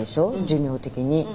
寿命的に。